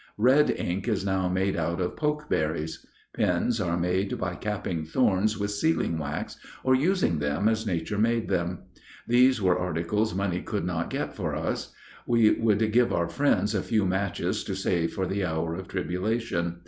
Red ink is now made out of pokeberries. Pins are made by capping thorns with sealing wax, or using them as nature made them. These were articles money could not get for us. We would give our friends a few matches to save for the hour of tribulation.